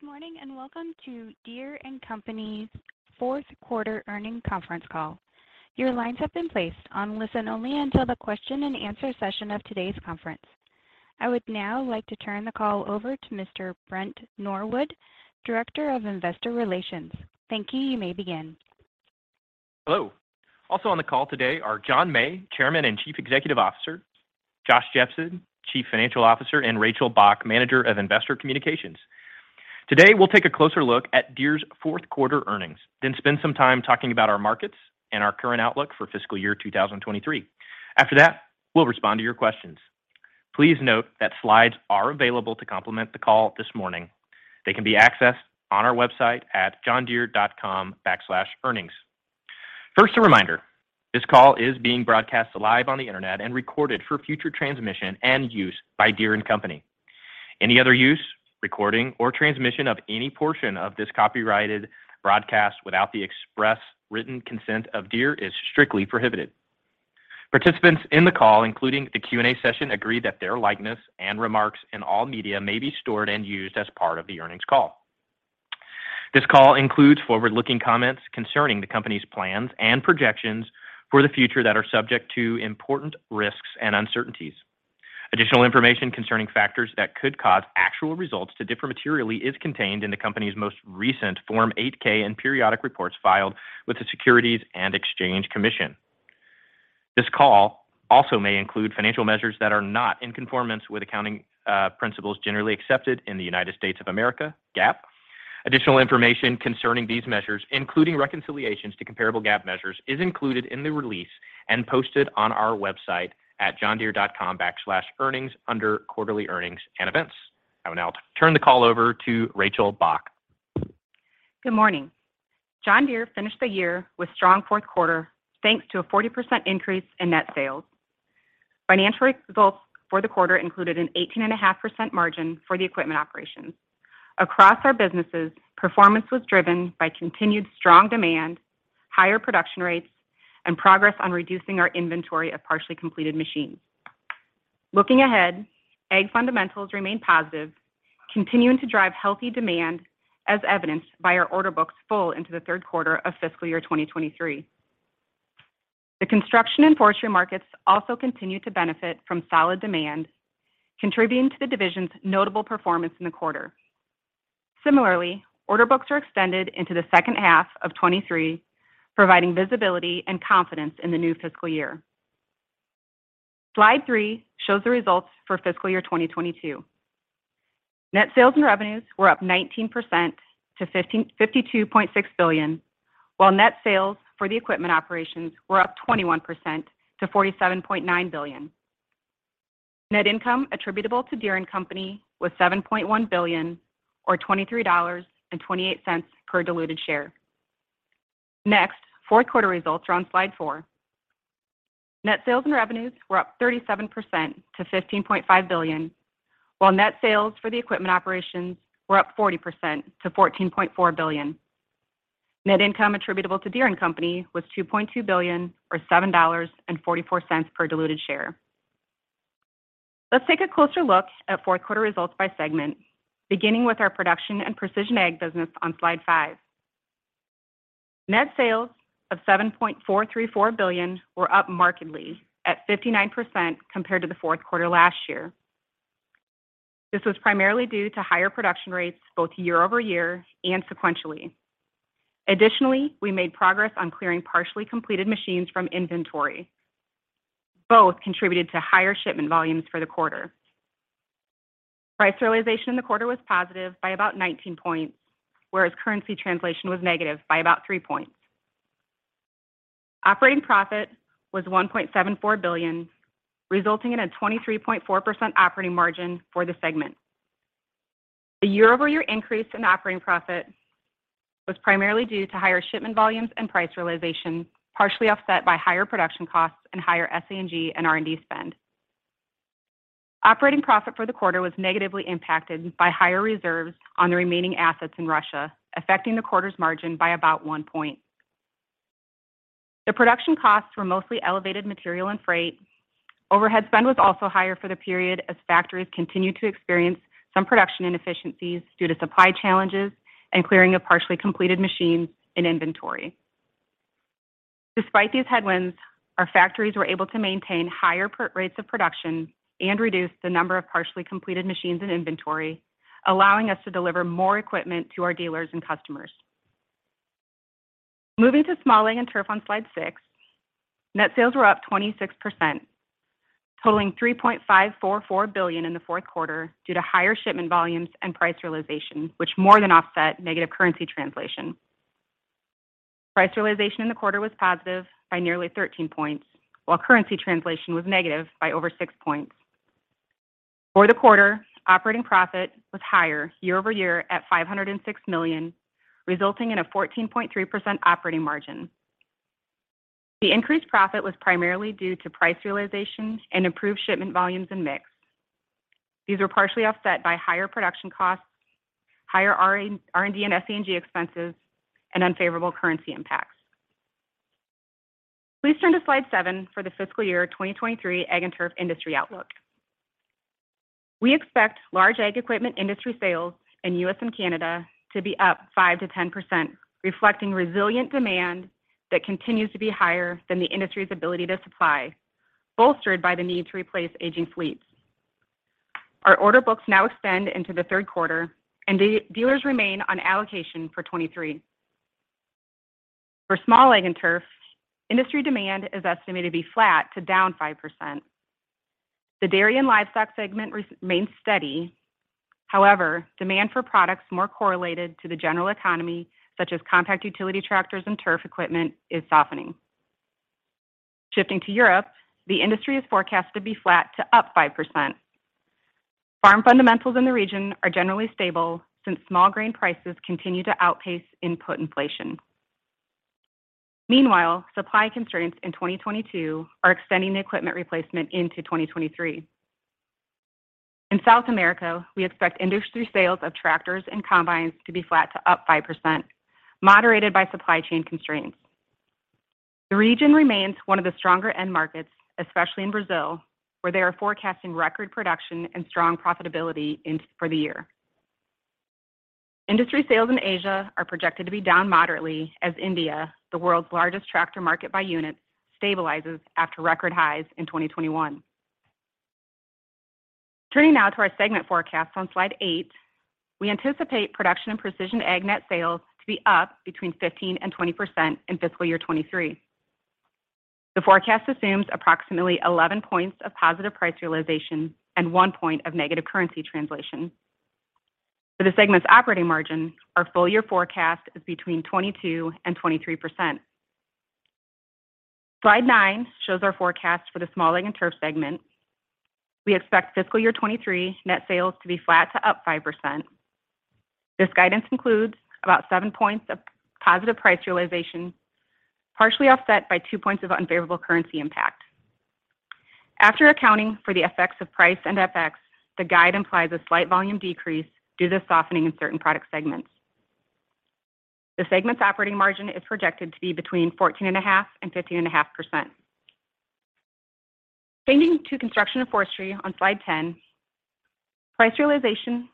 Good morning, welcome to Deere & Company's Fourth Quarter Earnings Conference Call. Your lines have been placed on listen-only until the question-and-answer session of today's conference. I would now like to turn the call over to Mr. Brent Norwood, Director of Investor Relations. Thank you. You may begin. Hello. On the call today are John May, Chairman and Chief Executive Officer; Joshua Jepsen, Chief Financial Officer; and Rachel Bach, Manager of Investor Communications. Today, we'll take a closer look at Deere's fourth quarter earnings, then spend some time talking about our markets and our current outlook for fiscal year 2023. After that, we'll respond to your questions. Please note that slides are available to complement the call this morning. They can be accessed on our website at johndeere.com/earnings. First, a reminder, this call is being broadcast live on the Internet and recorded for future transmission and use by Deere & Company. Any other use, recording, or transmission of any portion of this copyrighted broadcast without the express written consent of Deere is strictly prohibited. Participants in the call, including the Q&A session, agree that their likeness and remarks in all media may be stored and used as part of the earnings call. This call includes forward-looking comments concerning the company's plans and projections for the future that are subject to important risks and uncertainties. Additional information concerning factors that could cause actual results to differ materially is contained in the company's most recent Form 8-K and periodic reports filed with the Securities and Exchange Commission. This call also may include financial measures that are not in conformance with accounting principles generally accepted in the United States of America, GAAP. Additional information concerning these measures, including reconciliations to comparable GAAP measures, is included in the release and posted on our website at johndeere.com/earnings under Quarterly Earnings and Events. I will now turn the call over to Rachel Bach. Good morning. John Deere finished the year with strong fourth quarter, thanks to a 40% increase in net sales. Financial results for the quarter included an 18.5% margin for the equipment operations. Across our businesses, performance was driven by continued strong demand, higher production rates, and progress on reducing our inventory of partially completed machines. Looking ahead, Ag fundamentals remain positive, continuing to drive healthy demand as evidenced by our order books full into the third quarter of fiscal year 2023. The Construction & Forestry markets also continue to benefit from solid demand, contributing to the division's notable performance in the quarter. Similarly, order books are extended into the second half of 2023, providing visibility and confidence in the new fiscal year. Slide three shows the results for fiscal year 2022. Net sales and revenues were up 19% to $52.6 billion, while net sales for the equipment operations were up 21% to $47.9 billion. Net income attributable to Deere & Company was $7.1 billion or $23.28 per diluted share. Fourth quarter results are on Slide four. Net sales and revenues were up 37% to $15.5 billion, while net sales for the equipment operations were up 40% to $14.4 billion. Net income attributable to Deere & Company was $2.2 billion or $7.44 per diluted share. Let's take a closer look at fourth quarter results by segment, beginning with our Production and Precision Ag business on Slide five. Net sales of $7.434 billion were up markedly at 59% compared to the fourth quarter last year. This was primarily due to higher production rates both year-over-year and sequentially. Additionally, we made progress on clearing partially completed machines from inventory. Both contributed to higher shipment volumes for the quarter. Price realization in the quarter was positive by about 19 points, whereas currency translation was negative by about 3 points. Operating profit was $1.74 billion, resulting in a 23.4% operating margin for the segment. The year-over-year increase in operating profit was primarily due to higher shipment volumes and price realization, partially offset by higher production costs and higher SG&A and R&D spend. Operating profit for the quarter was negatively impacted by higher reserves on the remaining assets in Russia, affecting the quarter's margin by about 1 point. The production costs were mostly elevated material and freight. Overhead spend was also higher for the period as factories continued to experience some production inefficiencies due to supply challenges and clearing of partially completed machines in inventory. Despite these headwinds, our factories were able to maintain higher per rates of production and reduce the number of partially completed machines in inventory, allowing us to deliver more equipment to our dealers and customers. Moving to Small Ag & Turf on Slide six, net sales were up 26%, totaling $3.544 billion in the 4th quarter due to higher shipment volumes and price realization, which more than offset negative currency translation. Price realization in the quarter was positive by nearly 13 points, while currency translation was negative by over 6 points. For the quarter, operating profit was higher year-over-year at $506 million, resulting in a 14.3% operating margin. The increased profit was primarily due to price realization and improved shipment volumes and mix. These were partially offset by higher production costs, higher R&D and SG&A expenses, and unfavorable currency impacts. Please turn to slide seven for the fiscal year 2023 Ag and Turf industry outlook. We expect large ag equipment industry sales in U.S. and Canada to be up 5%-10%, reflecting resilient demand that continues to be higher than the industry's ability to supply, bolstered by the need to replace aging fleets. Our order books now extend into the third quarter, and dealers remain on allocation for 23. For Small Ag & Turf, industry demand is estimated to be flat to down 5%. The dairy and livestock segment remains steady. Demand for products more correlated to the general economy, such as compact utility tractors and turf equipment, is softening. Shifting to Europe, the industry is forecast to be flat to up 5%. Farm fundamentals in the region are generally stable since small grain prices continue to outpace input inflation. Supply constraints in 2022 are extending the equipment replacement into 2023. In South America, we expect industry sales of tractors and combines to be flat to up 5%, moderated by supply chain constraints. The region remains one of the stronger end markets, especially in Brazil, where they are forecasting record production and strong profitability for the year. Industry sales in Asia are projected to be down moderately as India, the world's largest tractor market by units, stabilizes after record highs in 2021. Turning now to our segment forecast on Slide eight, we anticipate Production and Precision Ag net sales to be up between 15%-20% in fiscal year 2023. The forecast assumes approximately 11 points of positive price realization and 1 point of negative currency translation. For the segment's operating margin, our full-year forecast is between 22%-23%. Slide 9 shows our forecast for the Small Ag & Turf segment. We expect fiscal year 2023 net sales to be flat to up 5%. This guidance includes about 7 points of positive price realization, partially offset by 2 points of unfavorable currency impact. After accounting for the effects of price and FX, the guide implies a slight volume decrease due to softening in certain product segments. The segment's operating margin is projected to be between 14.5% to 15.5%. Changing to Construction & Forestry on Slide 10, price realization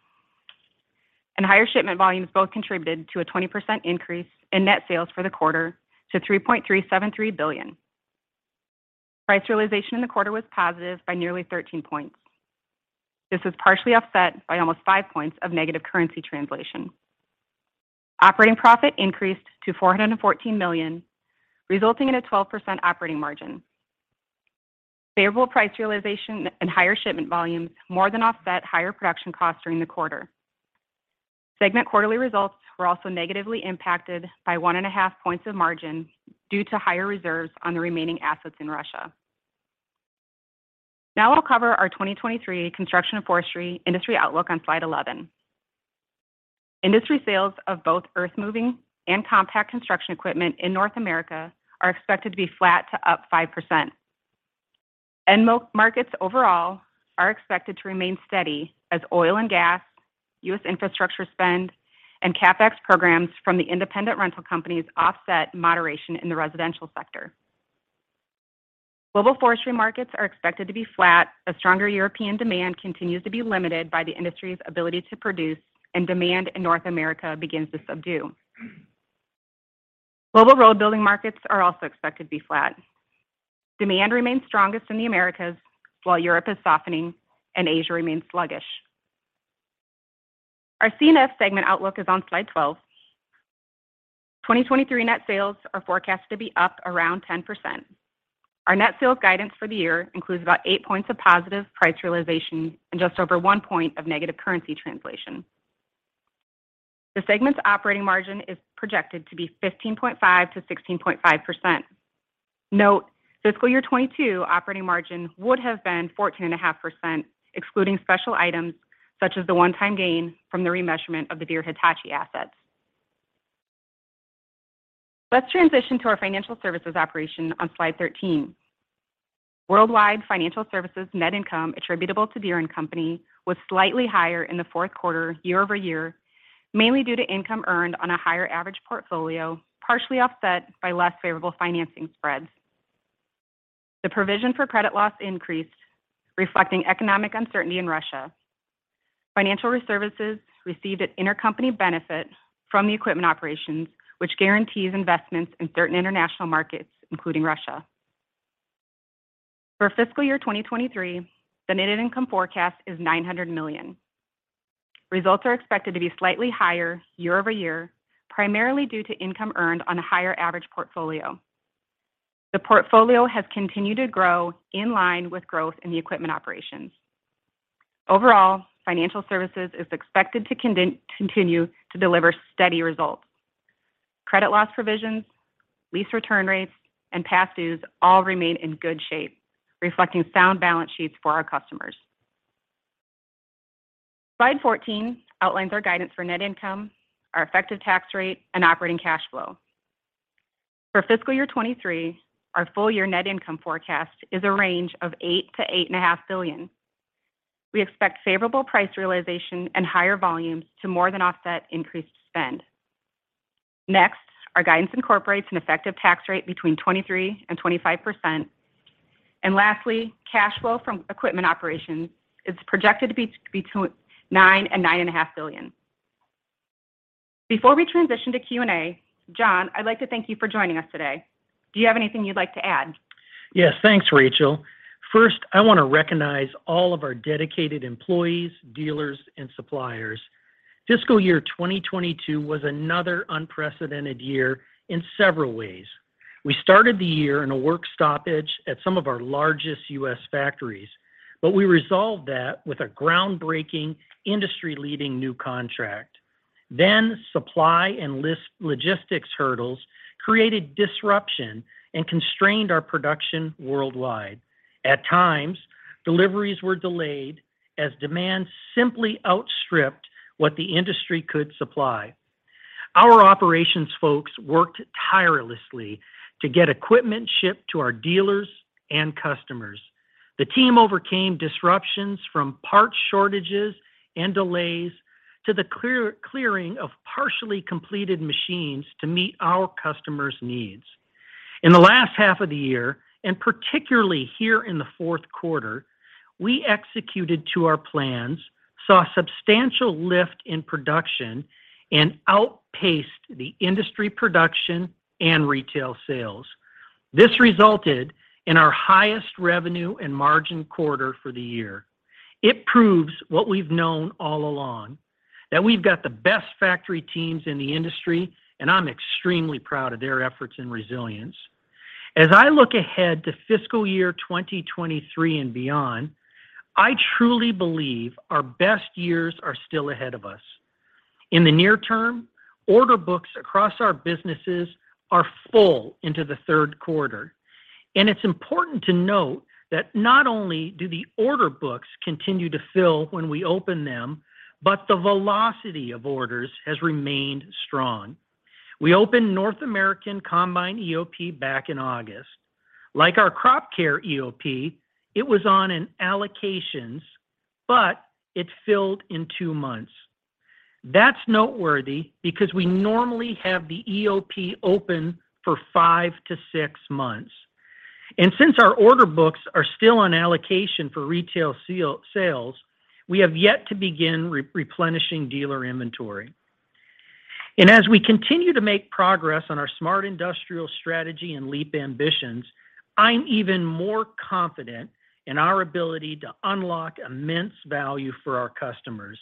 and higher shipment volumes both contributed to a 20% increase in net sales for the quarter to $3.373 billion. Price realization in the quarter was positive by nearly 13 points. This was partially offset by almost 5 points of negative currency translation. Operating profit increased to $414 million, resulting in a 12% operating margin. Favorable price realization and higher shipment volumes more than offset higher production costs during the quarter. Segment quarterly results were also negatively impacted by 1.5 points of margin due to higher reserves on the remaining assets in Russia. Now I'll cover our 2023 Construction & Forestry industry outlook on slide 11. Industry sales of both earthmoving and compact construction equipment in North America are expected to be flat to up 5%. End markets overall are expected to remain steady as oil and gas, US infrastructure spend, and CapEx programs from the independent rental companies offset moderation in the residential sector. Global forestry markets are expected to be flat as stronger European demand continues to be limited by the industry's ability to produce and demand in North America begins to subdue. Global road building markets are also expected to be flat. Demand remains strongest in the Americas while Europe is softening and Asia remains sluggish. Our C&F segment outlook is on Slide 12. 2023 net sales are forecast to be up around 10%. Our net sales guidance for the year includes about 8 points of positive price realization and just over 1 point of negative currency translation. The segment's operating margin is projected to be 15.5%-16.5%. Note, fiscal year 2022 operating margin would have been 14.5%, excluding special items such as the one-time gain from the remeasurement of the Deere-Hitachi assets. Let's transition to our financial services operation on Slide 13. Worldwide financial services net income attributable to Deere & Company was slightly higher in the fourth quarter year-over-year, mainly due to income earned on a higher average portfolio, partially offset by less favorable financing spreads. The provision for credit loss increased, reflecting economic uncertainty in Russia. Financial Services received an intercompany benefit from the equipment operations, which guarantees investments in certain international markets, including Russia. For fiscal year 2023, the net income forecast is $900 million. Results are expected to be slightly higher year-over-year, primarily due to income earned on a higher average portfolio. The portfolio has continued to grow in line with growth in the equipment operations. Overall, Financial Services is expected to continue to deliver steady results. Credit loss provisions, lease return rates, and past dues all remain in good shape, reflecting sound balance sheets for our customers. Slide 14 outlines our guidance for net income, our effective tax rate, and operating cash flow. For fiscal year 2023, our full-year net income forecast is a range of $8 billion-$8.5 billion. We expect favorable price realization and higher volumes to more than offset increased spend. Our guidance incorporates an effective tax rate between 23% and 25%. Lastly, cash flow from equipment operations is projected to be between $9 billion and $9.5 billion. Before we transition to Q&A, John, I'd like to thank you for joining us today. Do you have anything you'd like to add? Yes. Thanks, Rachel. First, I want to recognize all of our dedicated employees, dealers, and suppliers. Fiscal year 2022 was another unprecedented year in several ways. We started the year in a work stoppage at some of our largest U.S. factories, but we resolved that with a groundbreaking industry-leading new contract. Then, supply and logistics hurdles created disruption and constrained our production worldwide. At times, deliveries were delayed as demand simply outstripped what the industry could supply. Our operations folks worked tirelessly to get equipment shipped to our dealers and customers. The team overcame disruptions from parts shortages and delays to the clearing of partially completed machines to meet our customers' needs. In the last half of the year, particularly here in the fourth quarter, we executed to our plans, saw substantial lift in production, and outpaced the industry production and retail sales. This resulted in our highest revenue and margin quarter for the year. It proves what we've known all along, that we've got the best factory teams in the industry, and I'm extremely proud of their efforts and resilience. As I look ahead to fiscal year 2023 and beyond, I truly believe our best years are still ahead of us. In the near term, order books across our businesses are full into the third quarter. It's important to note that not only do the order books continue to fill when we open them, but the velocity of orders has remained strong. We opened North American Combine EOP back in August. Like our Crop Care EOP, it was on an allocations, but it filled in two months. That's noteworthy because we normally have the EOP open for five to six months. Since our order books are still on allocation for retail sales, we have yet to begin replenishing dealer inventory. As we continue to make progress on our Smart Industrial strategy and Leap Ambitions, I'm even more confident in our ability to unlock immense value for our customers.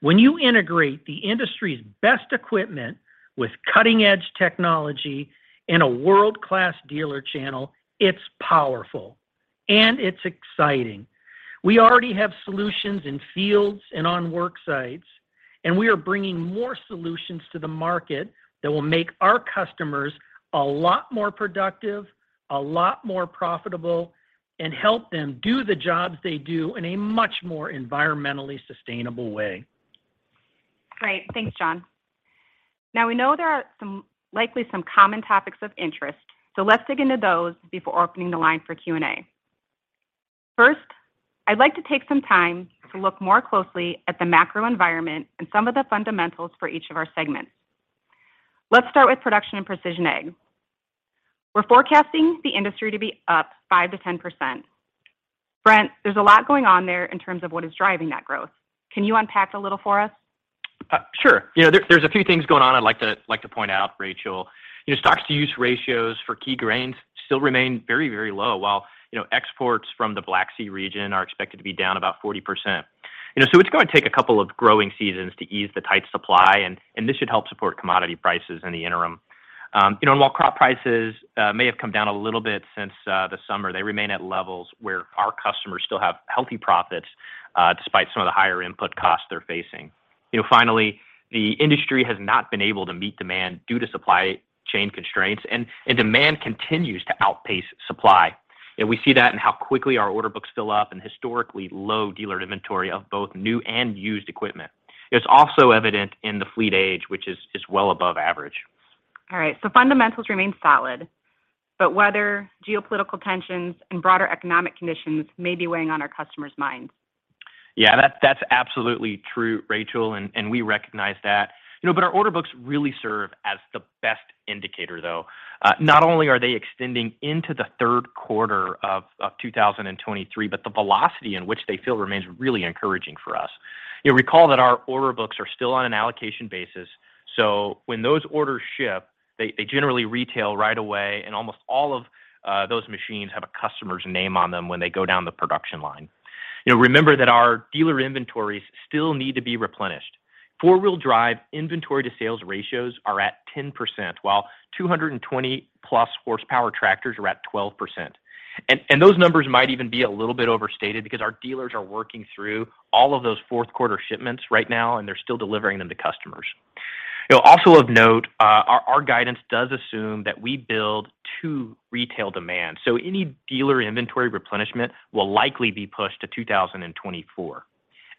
When you integrate the industry's best equipment with cutting-edge technology and a world-class dealer channel, it's powerful and it's exciting. We already have solutions in fields and on work sites, and we are bringing more solutions to the market that will make our customers a lot more productive, a lot more profitable, and help them do the jobs they do in a much more environmentally sustainable way. Great. Thanks, John. We know there are likely some common topics of interest, so let's dig into those before opening the line for Q&A. I'd like to take some time to look more closely at the macro environment and some of the fundamentals for each of our segments. Let's start with Production and Precision Ag. We're forecasting the industry to be up 5% to 10%. Brent, there's a lot going on there in terms of what is driving that growth. Can you unpack a little for us? Sure. You know, there's a few things going on I'd like to point out, Rachel. You know, stocks-to-use ratios for key grains still remain very, very low. You know, exports from the Black Sea region are expected to be down about 40%. You know, it's going to take a couple of growing seasons to ease the tight supply, and this should help support commodity prices in the interim. You know, while crop prices may have come down a little bit since the summer, they remain at levels where our customers still have healthy profits despite some of the higher input costs they're facing. You know, finally, the industry has not been able to meet demand due to supply chain constraints and demand continues to outpace supply. We see that in how quickly our order books fill up and historically low dealer inventory of both new and used equipment. It's also evident in the fleet age, which is well above average. All right. Fundamentals remain solid, but weather, geopolitical tensions, and broader economic conditions may be weighing on our customers' minds. Yeah. That's absolutely true, Rachel, and we recognize that. You know, our order books really serve as the best indicator, though. Not only are they extending into the 3rd quarter of 2023, but the velocity in which they fill remains really encouraging for us. You'll recall that our order books are still on an allocation basis, so when those orders ship, they generally retail right away, and almost all of those machines have a customer's name on them when they go down the production line. You know, remember that our dealer inventories still need to be replenished. Four-wheel drive inventory to sales ratios are at 10%, while 220-plus horsepower tractors are at 12%. Those numbers might even be a little bit overstated because our dealers are working through all of those fourth quarter shipments right now, and they're still delivering them to customers. You know, also of note, our guidance does assume that we build to retail demand. Any dealer inventory replenishment will likely be pushed to 2024.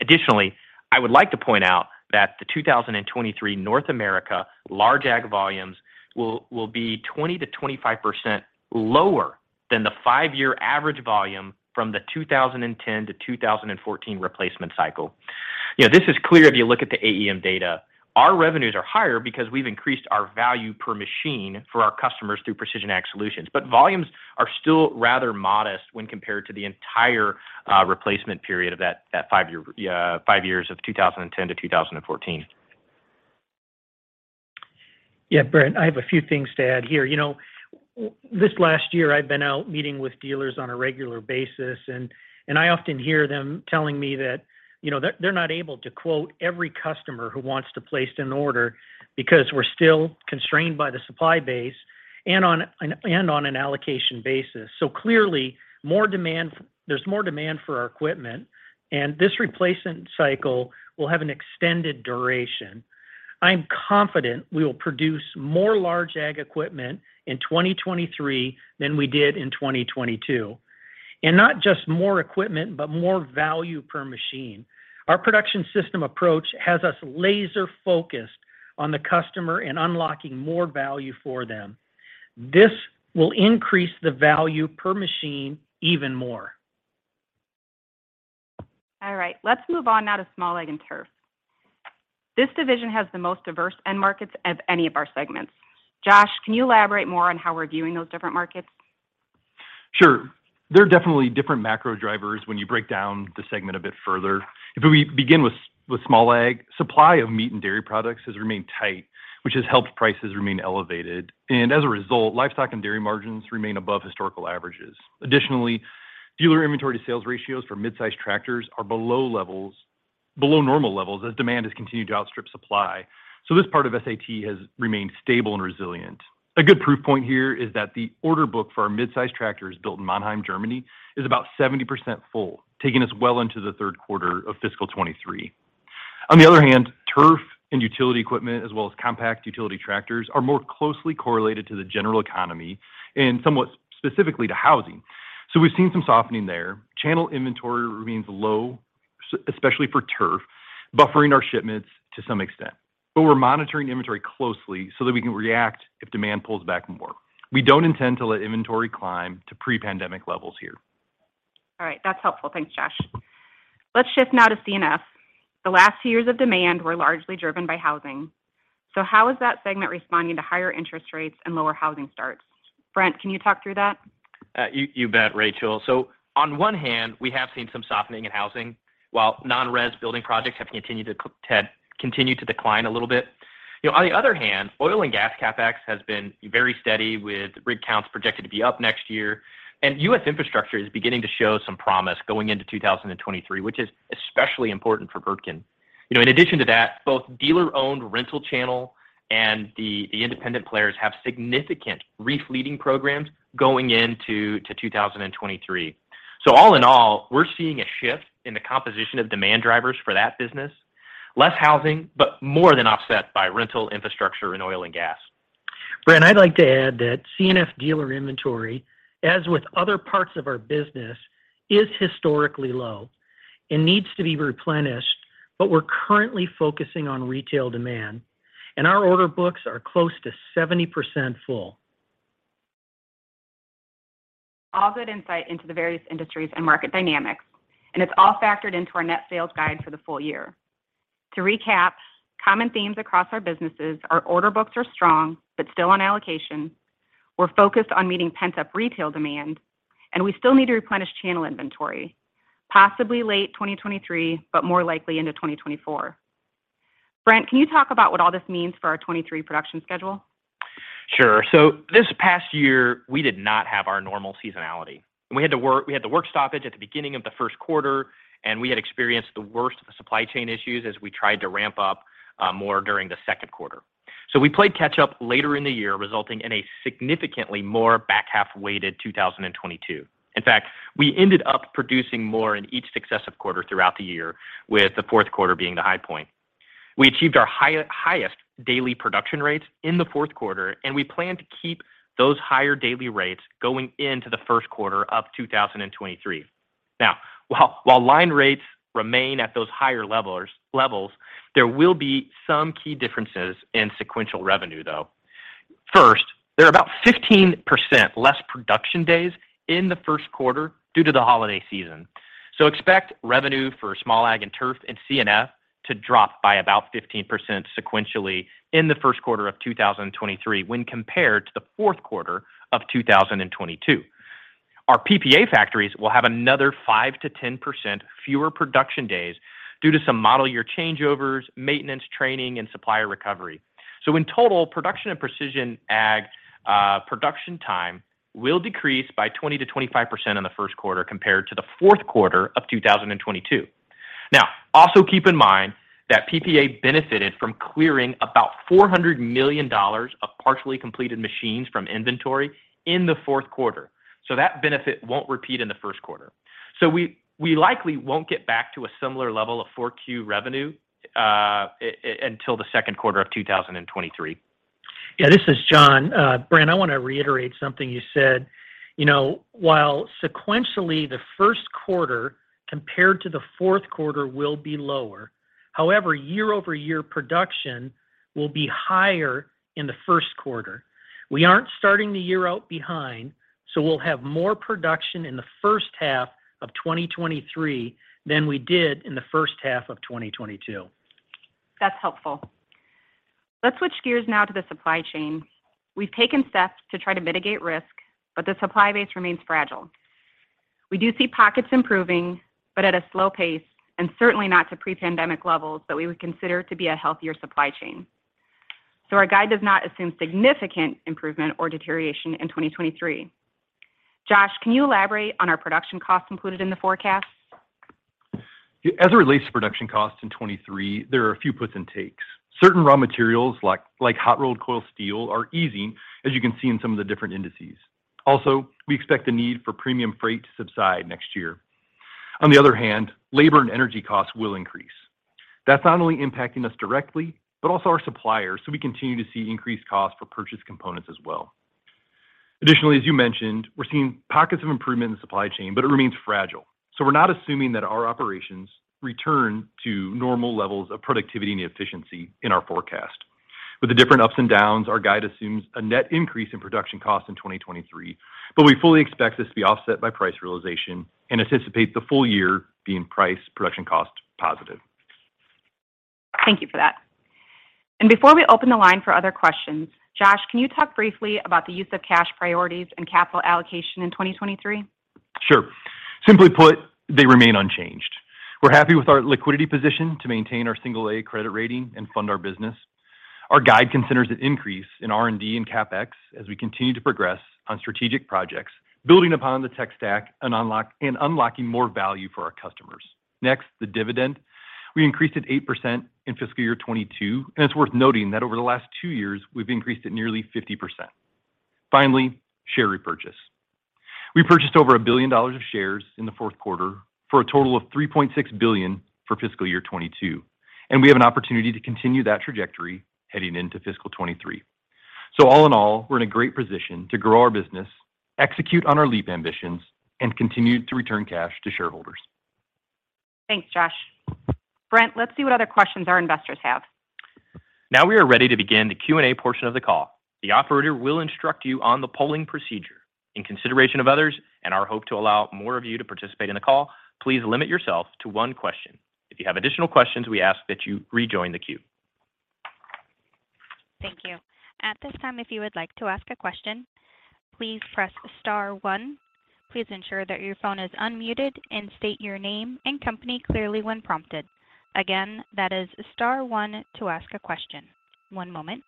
Additionally, I would like to point out that the 2023 North America large Ag volumes will be 20%-25% lower than the five-year average volume from the 2010-2014 replacement cycle. You know, this is clear if you look at the AEM data. Our revenues are higher because we've increased our value per machine for our customers through precision Ag solutions. Volumes are still rather modest when compared to the entire replacement period of that five-year, five years of 2010-2014. Brent, I have a few things to add here. You know, this last year I've been out meeting with dealers on a regular basis, and I often hear them telling me that, you know, they're not able to quote every customer who wants to place an order because we're still constrained by the supply base and on an allocation basis. Clearly there's more demand for our equipment, and this replacement cycle will have an extended duration. I am confident we will produce more large ag equipment in 2023 than we did in 2022. Not just more equipment, but more value per machine. Our production system approach has us laser-focused on the customer and unlocking more value for them. This will increase the value per machine even more. All right. Let's move on now to Small Ag & Turf. This division has the most diverse end markets of any of our segments. Josh, can you elaborate more on how we're viewing those different markets? Sure. There are definitely different macro drivers when you break down the segment a bit further. If we begin with Small Ag, supply of meat and dairy products has remained tight, which has helped prices remain elevated. As a result, livestock and dairy margins remain above historical averages. Additionally, dealer inventory sales ratios for mid-size tractors are below normal levels as demand has continued to outstrip supply. This part of SAT has remained stable and resilient. A good proof point here is that the order book for our mid-size tractors built in Mannheim, Germany, is about 70% full, taking us well into the third quarter of fiscal 2023. On the other hand, turf and utility equipment as well as compact utility tractors are more closely correlated to the general economy and somewhat specifically to housing. We've seen some softening there. Channel inventory remains low, especially for turf, buffering our shipments to some extent. We're monitoring inventory closely so that we can react if demand pulls back more. We don't intend to let inventory climb to pre-pandemic levels here. All right. That's helpful. Thanks, Josh. Let's shift now to C&F. The last two years of demand were largely driven by housing. How is that segment responding to higher interest rates and lower housing starts? Brent, can you talk through that? You bet, Rachel. On one hand, we have seen some softening in housing, while non-res building projects have continued to decline a little bit. You know, on the other hand, oil and gas CapEx has been very steady with rig counts projected to be up next year. U.S. infrastructure is beginning to show some promise going into 2023, which is especially important for Wirtgen. You know, in addition to that, both dealer-owned rental channel and the independent players have significant re-fleeting programs going into 2023. All in all, we're seeing a shift in the composition of demand drivers for that business. Less housing, but more than offset by rental infrastructure and oil and gas. Brent, I'd like to add that C&F dealer inventory, as with other parts of our business, is historically low and needs to be replenished, but we're currently focusing on retail demand, and our order books are close to 70% full. All good insight into the various industries and market dynamics, and it's all factored into our net sales guide for the full year. To recap, common themes across our businesses are order books are strong but still on allocation. We're focused on meeting pent-up retail demand, and we still need to replenish channel inventory, possibly late 2023, but more likely into 2024. Brent, can you talk about what all this means for our 2023 production schedule? Sure. This past year, we did not have our normal seasonality. We had the work stoppage at the beginning of the first quarter, and we had experienced the worst of the supply chain issues as we tried to ramp up more during the second quarter. We played catch-up later in the year, resulting in a significantly more back-half-weighted 2022. In fact, we ended up producing more in each successive quarter throughout the year, with the fourth quarter being the high point. We achieved our highest daily production rates in the fourth quarter, and we plan to keep those higher daily rates going into the first quarter of 2023. Now, while line rates remain at those higher levels, there will be some key differences in sequential revenue, though. First, there are about 15% less production days in the first quarter due to the holiday season. Expect revenue for Small Ag & Turf and C&F to drop by about 15% sequentially in the first quarter of 2023 when compared to the fourth quarter of 2022. Our PPA factories will have another 5%-10% fewer production days due to some model year changeovers, maintenance, training, and supplier recovery. In total, Production and Precision Ag production time will decrease by 20%-25% in the first quarter compared to the fourth quarter of 2022. Also keep in mind that PPA benefited from clearing about $400 million of partially completed machines from inventory in the fourth quarter. That benefit won't repeat in the first quarter. We likely won't get back to a similar level of 4Q revenue until the second quarter of 2023. Yeah, this is John. Brent, I wanna reiterate something you said. You know, while sequentially the first quarter compared to the fourth quarter will be lower, however, year-over-year production will be higher in the first quarter. We aren't starting the year out behind. We'll have more production in the first half of 2023 than we did in the first half of 2022. That's helpful. Let's switch gears now to the supply chain. We've taken steps to try to mitigate risk, but the supply base remains fragile. We do see pockets improving, but at a slow pace, and certainly not to pre-pandemic levels that we would consider to be a healthier supply chain. Our guide does not assume significant improvement or deterioration in 2023. Josh, can you elaborate on our production costs included in the forecast? As it relates to production costs in 2023, there are a few puts and takes. Certain raw materials like hot-rolled coil steel are easing, as you can see in some of the different indices. We expect the need for premium freight to subside next year. On the other hand, labor and energy costs will increase. That's not only impacting us directly, but also our suppliers, we continue to see increased costs for purchase components as well. Additionally, as you mentioned, we're seeing pockets of improvement in supply chain, but it remains fragile. We're not assuming that our operations return to normal levels of productivity and efficiency in our forecast. With the different ups and downs, our guide assumes a net increase in production costs in 2023, but we fully expect this to be offset by price realization and anticipate the full year being price production cost positive. Thank you for that. Before we open the line for other questions, Josh, can you talk briefly about the use of cash priorities and capital allocation in 2023? Sure. Simply put, they remain unchanged. We're happy with our liquidity position to maintain our single-A credit rating and fund our business. Our guide considers an increase in R&D and CapEx as we continue to progress on strategic projects, building upon the tech stack and unlocking more value for our customers. Next, the dividend. We increased it 8% in fiscal year 2022. It's worth noting that over the last two years, we've increased it nearly 50%. Finally, share repurchase. We purchased over $1 billion of shares in the fourth quarter for a total of $3.6 billion for fiscal year 2022. We have an opportunity to continue that trajectory heading into fiscal 2023. All in all, we're in a great position to grow our business, execute on our Leap Ambitions, and continue to return cash to shareholders. Thanks, Josh. Brent, let's see what other questions our investors have. Now we are ready to begin the Q&A portion of the call. The operator will instruct you on the polling procedure. In consideration of others and our hope to allow more of you to participate in the call, please limit yourself to one question. If you have additional questions, we ask that you rejoin the queue. Thank you. At this time, if you would like to ask a question, please press star one. Please ensure that your phone is unmuted and state your name and company clearly when prompted. Again, that is star one to ask a question. One moment.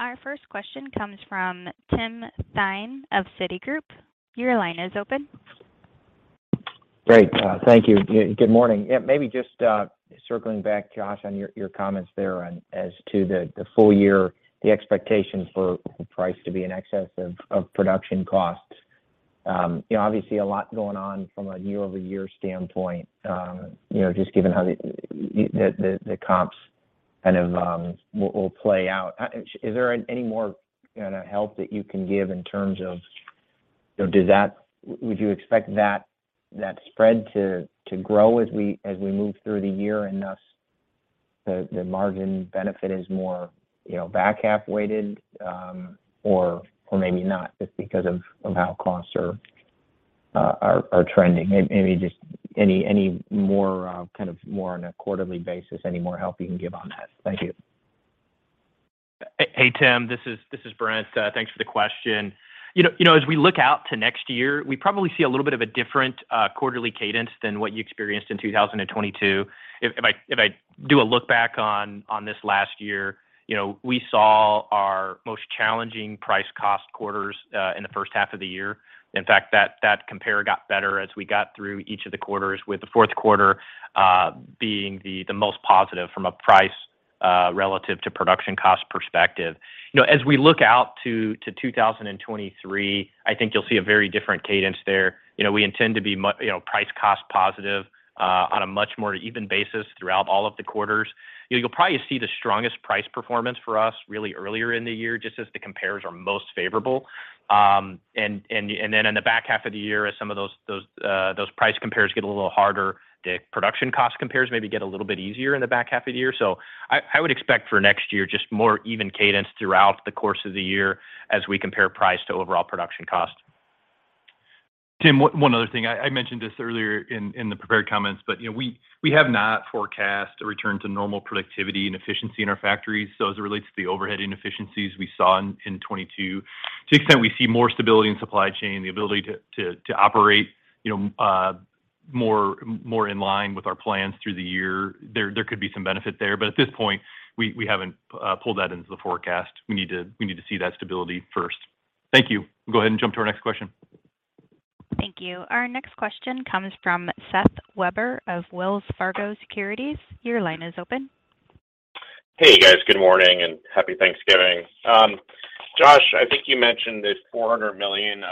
Our first question comes from Tim Thein of Citigroup. Your line is open. Great. Thank you. Good morning. Yeah, maybe just circling back, Josh, on your comments there on as to the full year, the expectation for the price to be in excess of production costs. You know, obviously a lot going on from a year-over-year standpoint, you know, just given how the you know, the comps kind of will play out. Is there any more kind of help that you can give in terms of, you know, would you expect that spread to grow as we move through the year, and thus the margin benefit is more, you know, back half weighted, or maybe not just because of how costs are trending? Maybe just any more kind of more on a quarterly basis, any more help you can give on that? Thank you. Tim. This is Brent. Thanks for the question. You know, as we look out to next year, we probably see a little bit of a different quarterly cadence than what you experienced in 2022. If I do a look back on this last year, you know, we saw our most challenging price cost quarters in the first half of the year. In fact, that compare got better as we got through each of the quarters with the fourth quarter being the most positive from a price relative to production cost perspective. You know, as we look out to 2023, I think you'll see a very different cadence there. You know, we intend to be you know, price cost positive on a much more even basis throughout all of the quarters. You'll probably see the strongest price performance for us really earlier in the year just as the compares are most favorable. Then in the back half of the year as some of those price compares get a little harder, the production cost compares maybe get a little bit easier in the back half of the year. I would expect for next year just more even cadence throughout the course of the year as we compare price to overall production cost. Tim, one other thing. I mentioned this earlier in the prepared comments, you know, we have not forecast a return to normal productivity and efficiency in our factories. As it relates to the overhead inefficiencies we saw in 2022, to the extent we see more stability in supply chain, the ability to operate, you know, more in line with our plans through the year, there could be some benefit there. At this point, we haven't pulled that into the forecast. We need to see that stability first. Thank you. Go ahead and jump to our next question. Thank you. Our next question comes from Seth Weber of Wells Fargo Securities. Your line is open. Hey, guys. Good morning and happy Thanksgiving. Josh, I think you mentioned this $400 million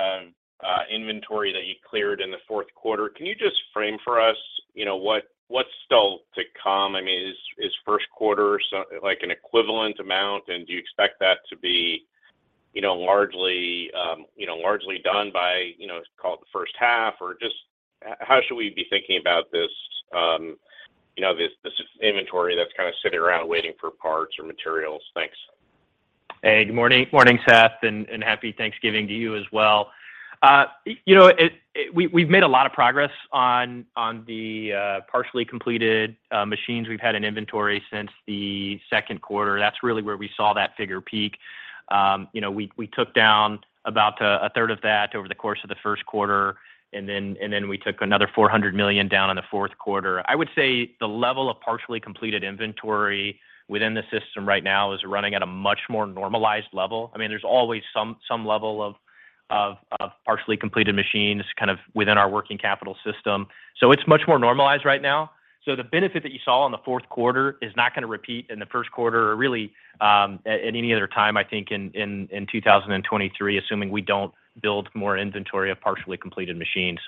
inventory that you cleared in the fourth quarter. Can you just frame for us, you know, what's still to come? I mean, is first quarter like an equivalent amount, and do you expect that to be, you know, largely, you know, largely done by, you know, call it the first half? Or just how should we be thinking about this, you know, this inventory that's kind of sitting around waiting for parts or materials? Thanks. Hey, good morning. Morning, Seth, and happy Thanksgiving to you as well. you know, we've made a lot of progress on the partially completed machines we've had in inventory since the second quarter. That's really where we saw that figure peak. you know, we took down about a third of that over the course of the first quarter, and then we took another $400 million down in the fourth quarter. I would say the level of partially completed inventory within the system right now is running at a much more normalized level. I mean, there's always some level of partially completed machines kind of within our working capital system. It's much more normalized right now. The benefit that you saw in the fourth quarter is not gonna repeat in the first quarter or really, at any other time, I think, in 2023, assuming we don't build more inventory of partially completed machines.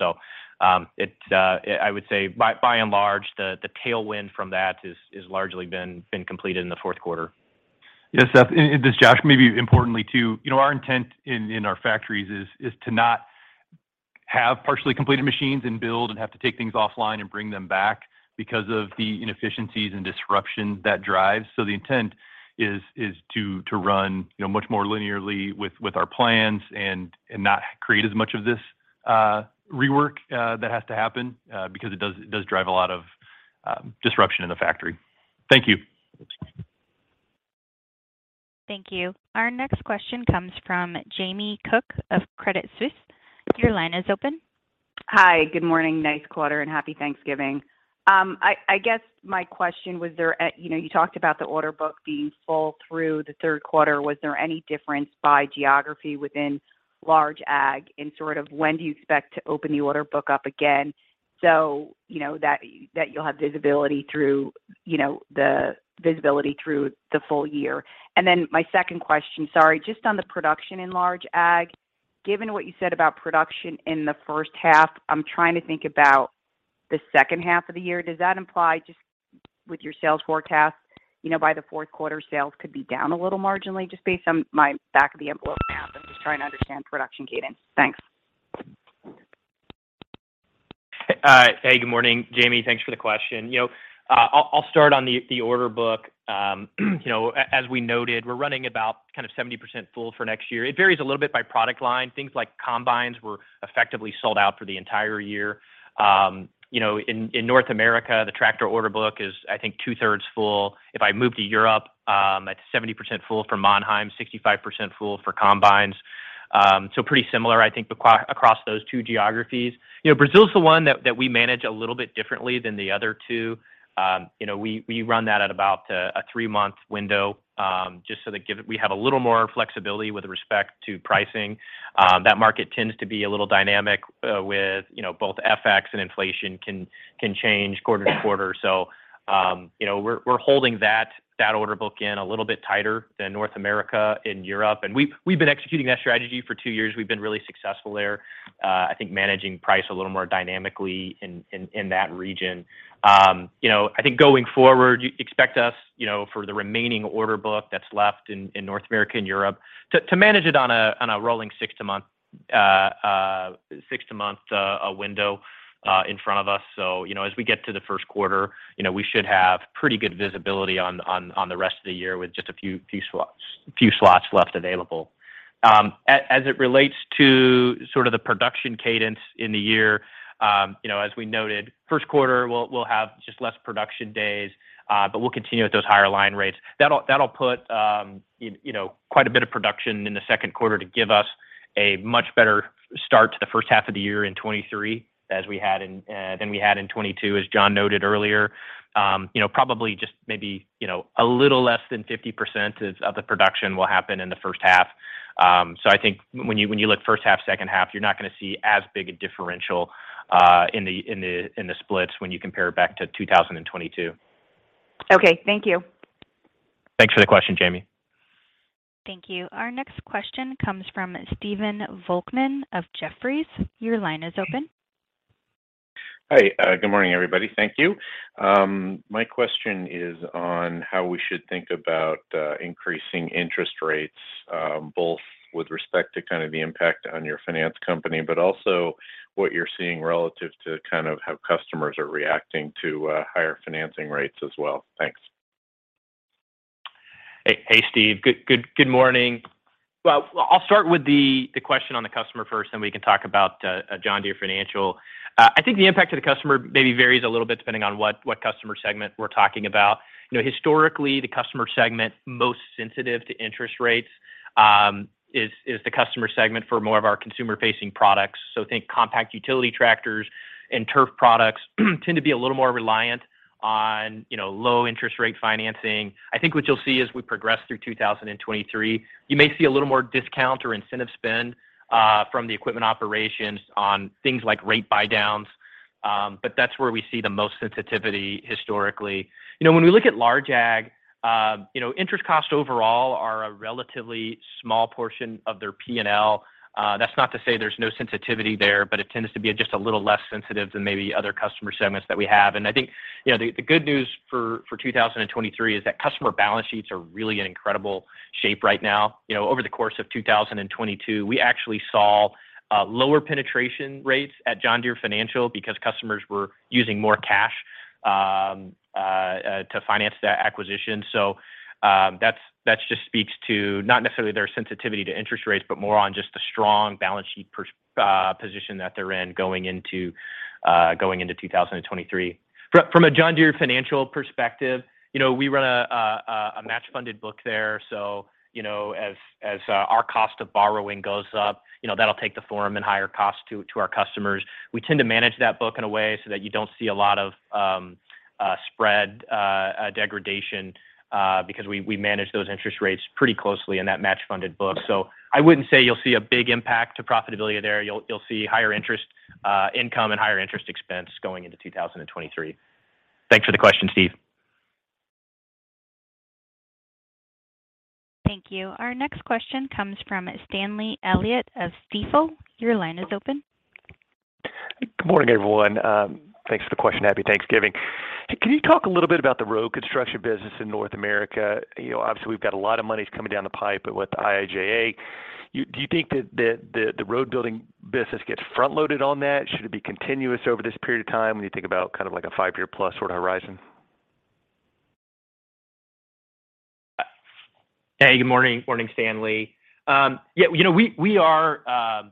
It, I would say by and large, the tailwind from that is largely been completed in the fourth quarter. Yes, Seth. This is Josh. Maybe importantly too, you know, our intent in our factories is to not have partially completed machines and build and have to take things offline and bring them back because of the inefficiencies and disruption that drives. The intent is to run, you know, much more linearly with our plans and not create as much of this rework that has to happen because it does drive a lot of disruption in the factory. Thank you. Thank you. Our next question comes from Jamie Cook of Credit Suisse. Your line is open. Hi. Good morning. Nice quarter, and happy Thanksgiving. I guess my question: You know, you talked about the order book being full through the third quarter. Was there any difference by geography within large ag, and sort of when do you expect to open the order book up again so, you know, that you'll have visibility through, you know, the visibility through the full year? My second question, sorry, just on the production in large ag. Given what you said about production in the first half, I'm trying to think about the second half of the year. Does that imply just with your sales forecast, you know, by the fourth quarter, sales could be down a little marginally just based on my back of the envelope math? I'm just trying to understand production cadence. Thanks. Hey, good morning, Jamie. Thanks for the question. You know, I'll start on the order book. You know, as we noted, we're running about kind of 70% full for next year. It varies a little bit by product line. Things like combines were effectively sold out for the entire year. You know, in North America, the tractor order book is, I think, 2/3 full. If I move to Europe, that's 70% full for Mannheim, 65% full for combines. Pretty similar I think across those two geographies. You know, Brazil is the one that we manage a little bit differently than the other two. You know, we run that at about a 3-month window, just so that We have a little more flexibility with respect to pricing. That market tends to be a little dynamic, with, you know, both FX and inflation can change quarter to quarter. You know, we're holding that order book in a little bit tighter than North America and Europe. We've been executing that strategy for two years. We've been really successful there, I think managing price a little more dynamically in that region. You know, I think going forward, you expect us, you know, for the remaining order book that's left in North America and Europe to manage it on a rolling 6-to-month window, in front of us. You know, as we get to the first quarter, you know, we should have pretty good visibility on the rest of the year with just a few slots left available. As it relates to sort of the production cadence in the year, you know, as we noted, first quarter we'll have just less production days, but we'll continue at those higher line rates. That'll put, you know, quite a bit of production in the second quarter to give us a much better start to the first half of the year in 2023 as we had than we had in 2022 as John noted earlier. You know, probably just maybe, you know, a little less than 50% of the production will happen in the first half. I think when you, when you look first half, second half, you're not gonna see as big a differential in the splits when you compare it back to 2022. Okay. Thank you. Thanks for the question, Jamie. Thank you. Our next question comes from Stephen Volkmann of Jefferies. Your line is open. Hi. Good morning, everybody. Thank you. My question is on how we should think about increasing interest rates, both with respect to kind of the impact on your finance company, but also what you're seeing relative to kind of how customers are reacting to higher financing rates as well. Thanks. Hey, Steve. Good morning. I'll start with the question on the customer first, then we can talk about John Deere Financial. I think the impact to the customer maybe varies a little bit depending on what customer segment we're talking about. You know, historically, the customer segment most sensitive to interest rates is the customer segment for more of our consumer-facing products. Think compact utility tractors and turf products tend to be a little more reliant on, you know, low interest rate financing. I think what you'll see as we progress through 2023, you may see a little more discount or incentive spend from the equipment operations on things like rate buydowns. That's where we see the most sensitivity historically. You know, when we look at large ag, you know, interest costs overall are a relatively small portion of their P&L. That's not to say there's no sensitivity there, but it tends to be just a little less sensitive than maybe other customer segments that we have. I think, you know, the good news for 2023 is that customer balance sheets are really in incredible shape right now. You know, over the course of 2022, we actually saw lower penetration rates at John Deere Financial because customers were using more cash to finance that acquisition. That's just speaks to not necessarily their sensitivity to interest rates, but more on just the strong balance sheet position that they're in going into going into 2023. From a John Deere Financial perspective, you know, we run a match-funded book there. You know, as our cost of borrowing goes up, you know, that'll take the form in higher cost to our customers. We tend to manage that book in a way so that you don't see a lot of spread degradation because we manage those interest rates pretty closely in that match-funded book. I wouldn't say you'll see a big impact to profitability there. You'll see higher interest income and higher interest expense going into 2023. Thanks for the question, Steve. Thank you. Our next question comes from Stanley Elliott of Stifel. Your line is open. Good morning, everyone. Thanks for the question. Happy Thanksgiving. Hey, can you talk a little bit about the road construction business in North America? You know, obviously, we've got a lot of money's coming down the pipe with the IIJA. Do you think that the road building business gets front-loaded on that? Should it be continuous over this period of time when you think about kind of like a five-year-plus sort of horizon? Hey, good morning. Morning, Stanley. Yeah, you know, we are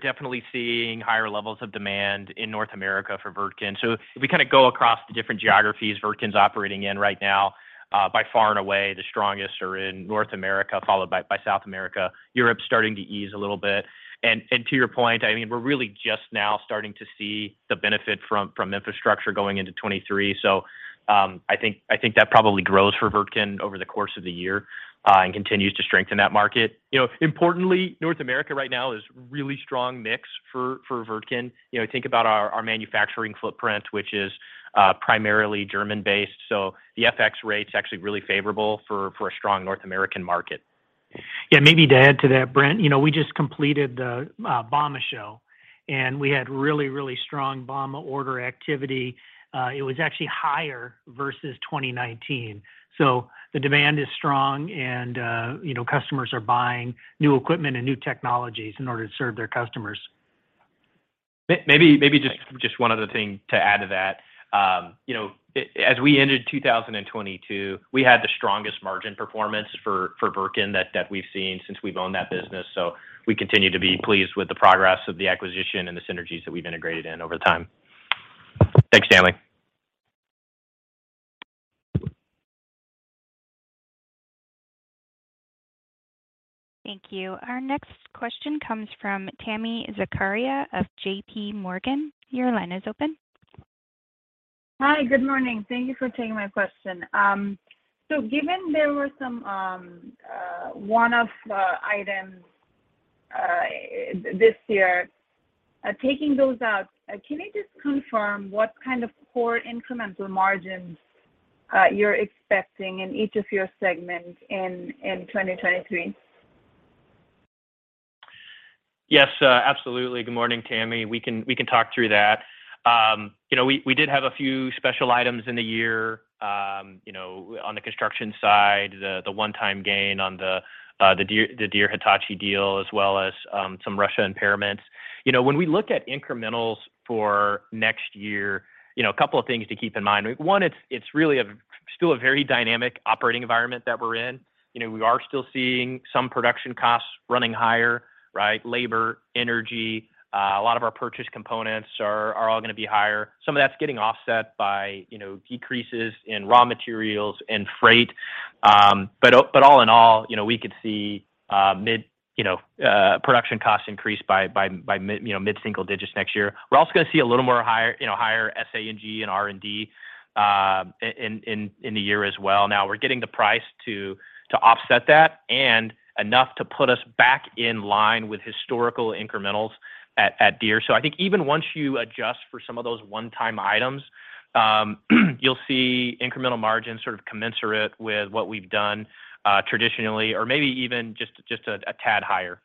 definitely seeing higher levels of demand in North America for Wirtgen. If we kind of go across the different geographies Wirtgen's operating in right now, by far and away, the strongest are in North America, followed by South America. Europe's starting to ease a little bit. To your point, I mean, we're really just now starting to see the benefit from infrastructure going into 2023. I think that probably grows for Wirtgen over the course of the year and continues to strengthen that market. You know, importantly, North America right now is really strong mix for Wirtgen. You know, think about our manufacturing footprint, which is primarily German-based. The FX rate's actually really favorable for a strong North American market. Maybe to add to that, Brent, you know, we just completed the bauma show, we had really strong bauma order activity. It was actually higher versus 2019. The demand is strong and, you know, customers are buying new equipment and new technologies in order to serve their customers. Maybe, just one other thing to add to that. you know, as we ended 2022, we had the strongest margin performance for Wirtgen that we've seen since we've owned that business. We continue to be pleased with the progress of the acquisition and the synergies that we've integrated in over time. Thanks, Stanley. Thank you. Our next question comes from Tami Zakaria of JPMorgan. Your line is open. Hi. Good morning. Thank you for taking my question. Given there were some one-off items this year, taking those out, can you just confirm what kind of core incremental margins you're expecting in each of your segments in 2023? Yes, absolutely. Good morning, Tami. We can talk through that. You know, we did have a few special items in the year. You know, on the construction side, the one-time gain on the Deere, the Deere-Hitachi deal, as well as some Russia impairments. You know, when we look at incrementals for next year, you know, a couple of things to keep in mind. One, it's really a still a very dynamic operating environment that we're in. You know, we are still seeing some production costs running higher, right? Labor, energy, a lot of our purchase components are all gonna be higher. Some of that's getting offset by, you know, decreases in raw materials and freight. All in all, you know, we could see mid, you know, production costs increase by mid, you know, mid-single digits next year. We're also gonna see a little more higher, you know, higher SA&G and R&D in the year as well. Now, we're getting the price to offset that and enough to put us back in line with historical incrementals at Deere. I think even once you adjust for some of those one-time items, you'll see incremental margins sort of commensurate with what we've done traditionally or maybe even just a tad higher.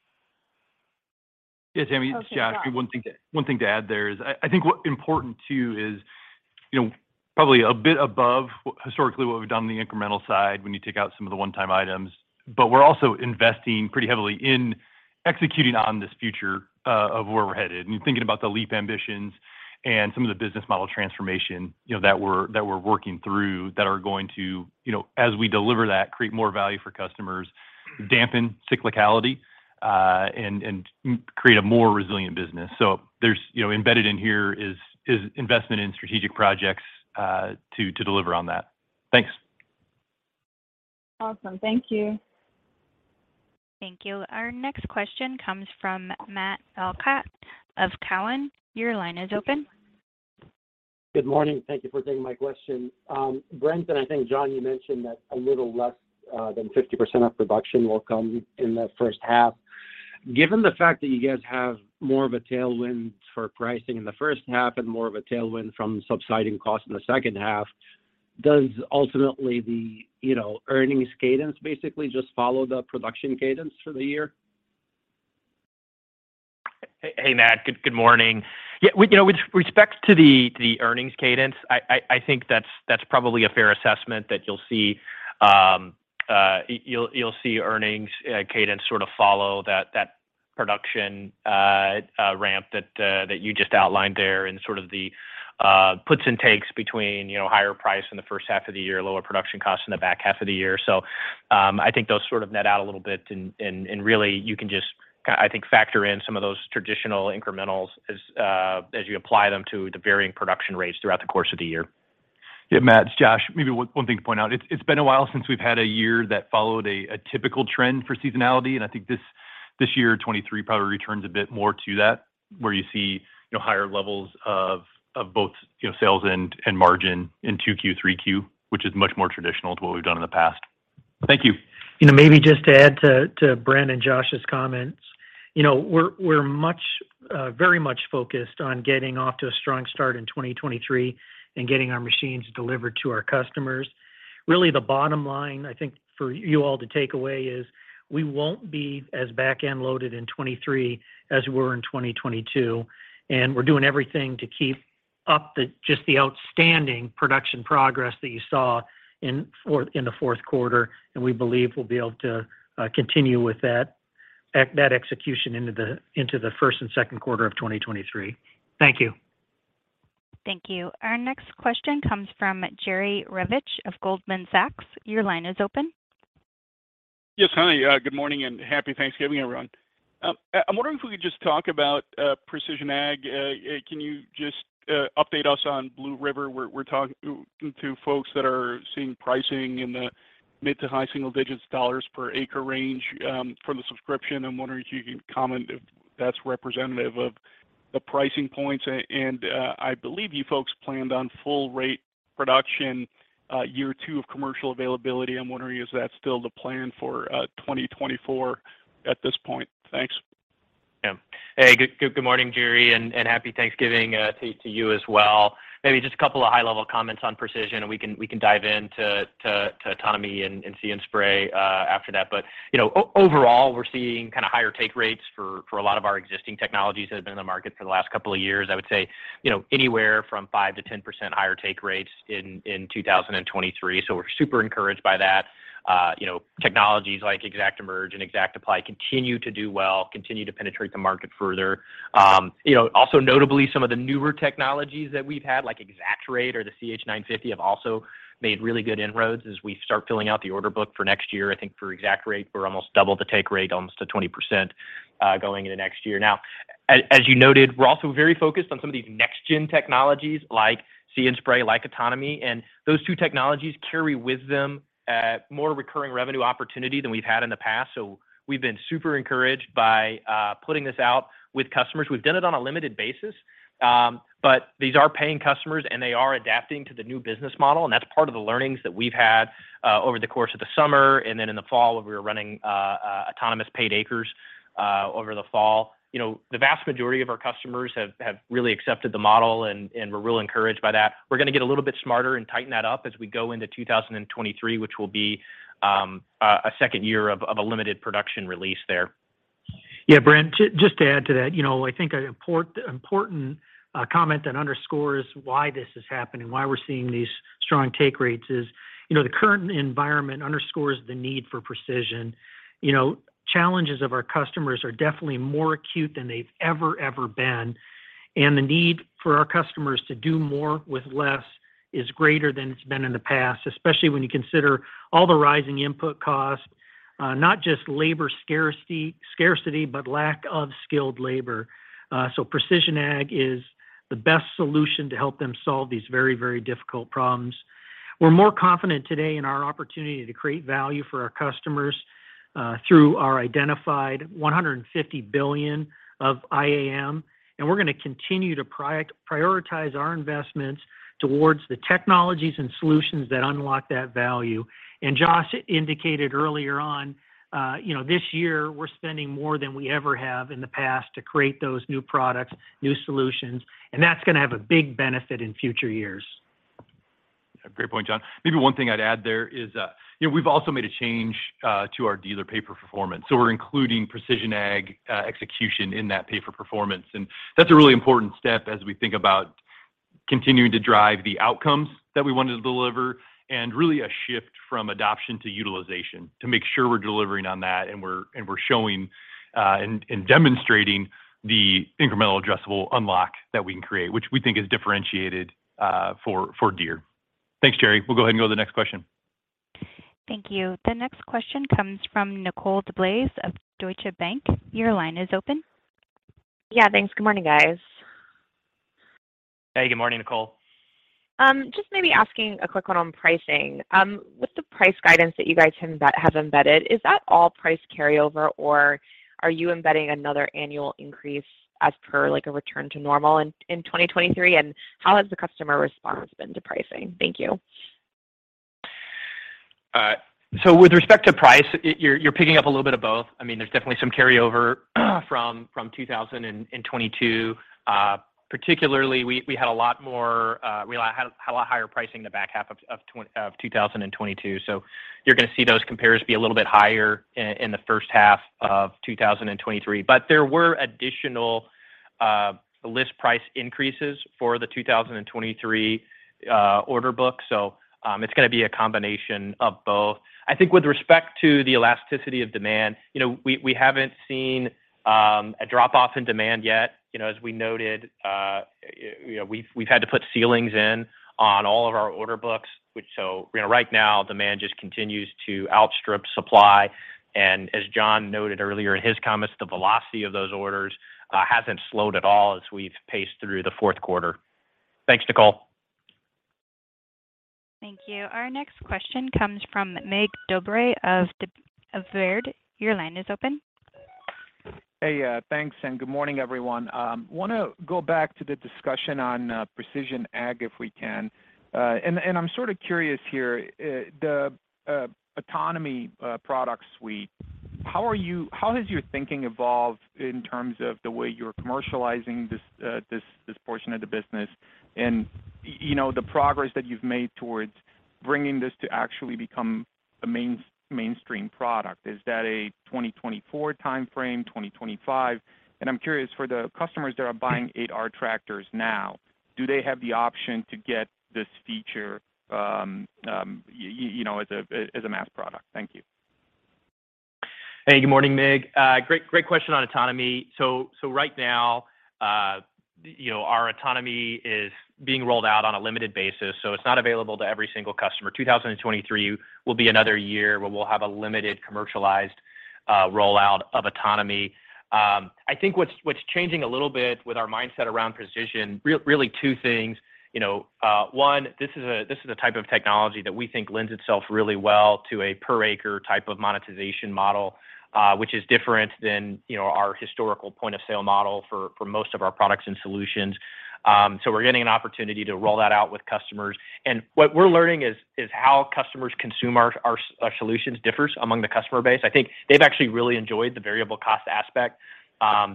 Yeah, Tami. Okay, got it. Yeah, one thing to add there is I think what important too is, you know, probably a bit above historically what we've done on the incremental side when you take out some of the one-time items. We're also investing pretty heavily in executing on this future of where we're headed. Thinking about the Leap Ambitions and some of the business model transformation, you know, that we're working through that are going to, you know, as we deliver that, create more value for customers, dampen cyclicality, and create a more resilient business. There's, you know, embedded in here is investment in strategic projects to deliver on that. Thanks. Awesome. Thank you. Thank you. Our next question comes from Matt Elkott of Cowen. Your line is open. Good morning. Thank you for taking my question. Brent, and I think, John, you mentioned that a little less than 50% of production will come in the first half. Given the fact that you guys have more of a tailwind for pricing in the first half and more of a tailwind from subsiding costs in the second half, does ultimately the, you know, earnings cadence basically just follow the production cadence for the year? Hey, Matt. Good morning. Yeah, you know, with respect to the earnings cadence, I think that's probably a fair assessment that you'll see earnings cadence sort of follow that production ramp that you just outlined there and sort of the puts and takes between, you know, higher price in the first half of the year, lower production costs in the back half of the year. I think those sort of net out a little bit and really you can just I think factor in some of those traditional incrementals as you apply them to the varying production rates throughout the course of the year. Yeah, Matt, it's Josh. Maybe one thing to point out. It's been a while since we've had a year that followed a typical trend for seasonality. I think this year, 2023, probably returns a bit more to that where you see, you know, higher levels of both, you know, sales and margin in 2Q, 3Q, which is much more traditional to what we've done in the past. Thank you. You know, maybe just to add to Brent and Josh's comments. You know, we're very much focused on getting off to a strong start in 2023 and getting our machines delivered to our customers. Really the bottom line, I think for you all to take away is we won't be as back-end loaded in 2023 as we were in 2022, we're doing everything to keep up just the outstanding production progress that you saw in the fourth quarter. We believe we'll be able to continue with that at that execution into the first and second quarter of 2023. Thank you. Thank you. Our next question comes from Jerry Revich of Goldman Sachs. Your line is open. Yes. Hi. Good morning and Happy Thanksgiving, everyone. I'm wondering if we could just talk about Precision Ag. Can you just update us on Blue River? We're talking to folks that are seeing pricing in the mid-to-high single digits $ per acre range for the subscription. I'm wondering if you can comment if that's representative of the pricing points. I believe you folks planned on full rate production, year two of commercial availability. I'm wondering, is that still the plan for 2024 at this point? Thanks. Hey, good morning, Jerry, Happy Thanksgiving to you as well. Maybe just a couple of high-level comments on precision, and we can dive into autonomy and See & Spray after that. You know, overall, we're seeing kind of higher take rates for a lot of our existing technologies that have been in the market for the last couple of years. I would say, you know, anywhere from 5%-10% higher take rates in 2023. We're super encouraged by that. You know, technologies like ExactEmerge and ExactApply continue to do well, continue to penetrate the market further. You know, also notably some of the newer technologies that we've had, like ExactRate or the CH950, have also made really good inroads as we start filling out the order book for next year. I think for ExactRate, we're almost double the take rate, almost to 20%, going into next year. As you noted, we're also very focused on some of these next gen technologies like See & Spray, like autonomy, and those two technologies carry with them, more recurring revenue opportunity than we've had in the past. We've been super encouraged by putting this out with customers. We've done it on a limited basis, but these are paying customers, and they are adapting to the new business model, and that's part of the learnings that we've had over the course of the summer and then in the fall when we were running autonomous paid acres over the fall. You know, the vast majority of our customers have really accepted the model and we're real encouraged by that. We're gonna get a little bit smarter and tighten that up as we go into 2023, which will be a second year of a limited production release there. Brent, just to add to that. You know, I think an important comment that underscores why this is happening, why we're seeing these strong take rates is, you know, the current environment underscores the need for precision. You know, challenges of our customers are definitely more acute than they've ever been. The need for our customers to do more with less is greater than it's been in the past, especially when you consider all the rising input costs, not just labor scarcity, but lack of skilled labor. Precision ag is the best solution to help them solve these very difficult problems. We're more confident today in our opportunity to create value for our customers through our identified $150 billion of IAM. We're gonna continue to prioritize our investments towards the technologies and solutions that unlock that value. Josh indicated earlier on, you know, this year we're spending more than we ever have in the past to create those new products, new solutions, and that's gonna have a big benefit in future years. Great point, John. Maybe one thing I'd add there is, you know, we've also made a change, to our dealer pay for performance. We're including precision ag, execution in that pay for performance. That's a really important step as we think about continuing to drive the outcomes that we wanted to deliver and really a shift from adoption to utilization to make sure we're delivering on that and we're showing and demonstrating the incremental addressable unlock that we can create, which we think is differentiated, for Deere. Thanks, Jerry. We'll go ahead and go to the next question. Thank you. The next question comes from Nicole DeBlase of Deutsche Bank. Your line is open. Yeah, thanks. Good morning, guys. Hey, good morning, Nicole. Just maybe asking a quick one on pricing. What's the price guidance that you guys have embedded? Is that all price carryover, or are you embedding another annual increase as per, like, a return to normal in 2023? How has the customer response been to pricing? Thank you. With respect to price, you're picking up a little bit of both. I mean, there's definitely some carryover from 2022. Particularly, we had a lot more, we had a lot higher pricing in the back half of 2022. You're gonna see those compares be a little bit higher in the first half of 2023. There were additional list price increases for the 2023 order book. It's gonna be a combination of both. I think with respect to the elasticity of demand, you know, we haven't seen a drop-off in demand yet. You know, as we noted, you know, we've had to put ceilings in on all of our order books. Which, you know, right now demand just continues to outstrip supply. As John noted earlier in his comments, the velocity of those orders hasn't slowed at all as we've paced through the fourth quarter. Thanks, Nicole. Thank you. Our next question comes from Mig Dobre of Baird. Your line is open. Hey, thanks, and good morning, everyone. Wanna go back to the discussion on precision Ag, if we can. I'm sort of curious here. The autonomy product suite, how has your thinking evolved in terms of the way you're commercializing this portion of the business? You know, the progress that you've made towards bringing this to actually become a mainstream product. Is that a 2024 timeframe, 2025? I'm curious for the customers that are buying 8R tractors now, do they have the option to get this feature, you know, as a mass product? Thank you. Hey, good morning, Mig. great question on autonomy. Right now, you know, our autonomy is being rolled out on a limited basis, so it's not available to every single customer. 2023 will be another year where we'll have a limited commercialized rollout of autonomy. I think what's changing a little bit with our mindset around precision, really two things. You know, one, this is a type of technology that we think lends itself really well to a per acre type of monetization model, which is different than, you know, our historical point of sale model for most of our products and solutions. We're getting an opportunity to roll that out with customers. What we're learning is how customers consume our solutions differs among the customer base. I think they've actually really enjoyed the variable cost aspect,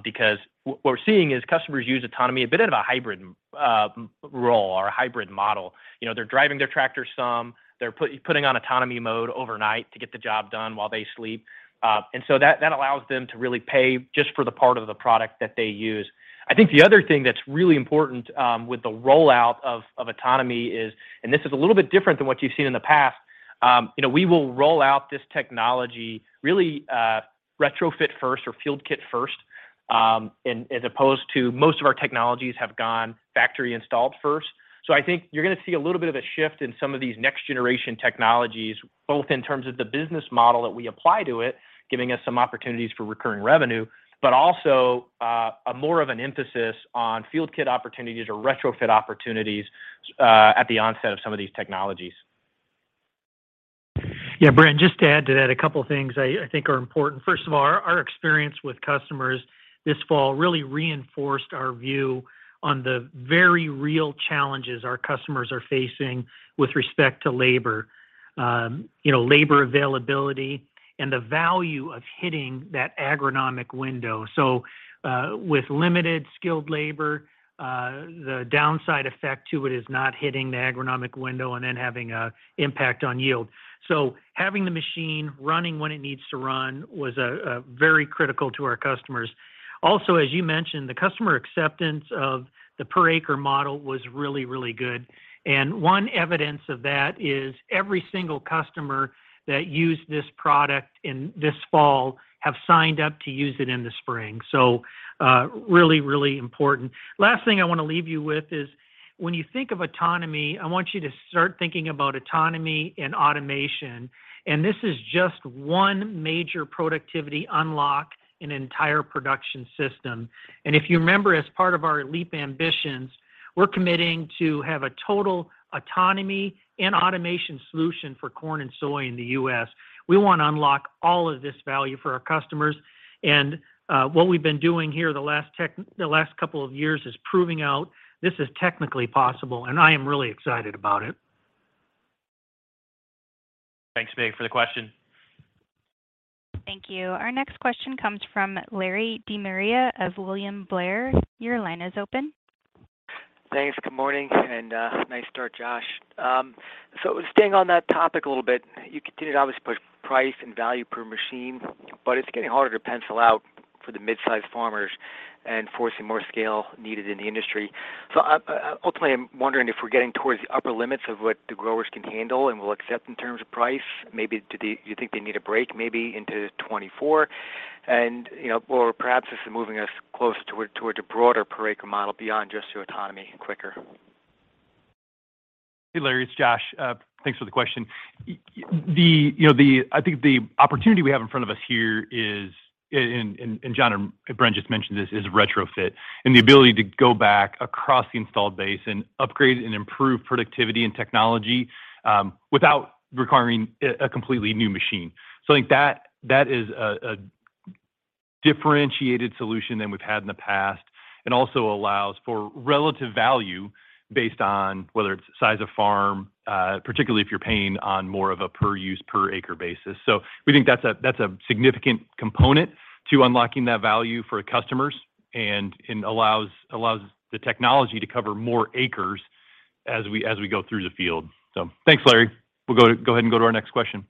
because what we're seeing is customers use autonomy a bit of a hybrid role or a hybrid model. You know, they're driving their tractor some, they're putting on autonomy mode overnight to get the job done while they sleep. That allows them to really pay just for the part of the product that they use. I think the other thing that's really important, with the rollout of autonomy is. This is a little bit different than what you've seen in the past. You know, we will roll out this technology really retrofit first or field kit first, in as opposed to most of our technologies have gone factory installed first. I think you're gonna see a little bit of a shift in some of these next generation technologies, both in terms of the business model that we apply to it, giving us some opportunities for recurring revenue, but also, a more of an emphasis on field kit opportunities or retrofit opportunities, at the onset of some of these technologies. Brent, just to add to that, a couple things I think are important. First of all, our experience with customers this fall really reinforced our view on the very real challenges our customers are facing with respect to labor. You know, labor availability and the value of hitting that agronomic window. With limited skilled labor, the downside effect to it is not hitting the agronomic window and then having a impact on yield. Having the machine running when it needs to run was very critical to our customers. Also, as you mentioned, the customer acceptance of the per acre model was really good. One evidence of that is every single customer that used this product in this fall have signed up to use it in the spring. Really important. Last thing I wanna leave you with is, when you think of autonomy, I want you to start thinking about autonomy and automation. This is just one major productivity unlock in an entire production system. If you remember, as part of our Leap Ambitions, we're committing to have a total autonomy and automation solution for corn and soy in the U.S. We wanna unlock all of this value for our customers. What we've been doing here the last couple of years is proving out this is technically possible, and I am really excited about it. Thanks, Mig, for the question. Thank you. Our next question comes from Larry DeMaria of William Blair. Your line is open. Thanks. Good morning, nice start, Josh. Staying on that topic a little bit, you continued obviously with price and value per machine, but it's getting harder to pencil out for the mid-size farmers and forcing more scale needed in the industry. Ultimately, I'm wondering if we're getting towards the upper limits of what the growers can handle and will accept in terms of price. Maybe do you think they need a break maybe into 2024? You know, or perhaps this is moving us towards a broader per acre model beyond just to autonomy quicker. Hey, Larry, it's Josh. Thanks for the question. The, you know, the I think the opportunity we have in front of us here is in, and John and Brent just mentioned this, is retrofit and the ability to go back across the installed base and upgrade and improve productivity and technology, without requiring a completely new machine. I think that is a differentiated solution than we've had in the past, and also allows for relative value based on whether it's size of farm, particularly if you're paying on more of a per-use, per-acre basis. We think that's a significant component to unlocking that value for customers and it allows the technology to cover more acres as we go through the field. Thanks, Larry. We'll go ahead and go to our next question.